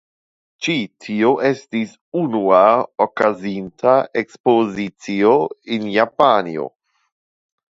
Ĉi tio estis unua okazinta Ekspozicio en Japanio.